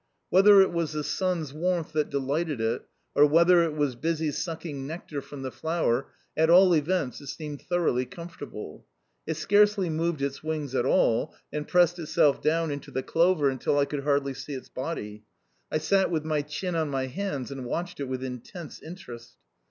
Whether it was the sun's warmth that delighted it, or whether it was busy sucking nectar from the flower, at all events it seemed thoroughly comfortable. It scarcely moved its wings at all, and pressed itself down into the clover until I could hardly see its body. I sat with my chin on my hands and watched it with intense interest.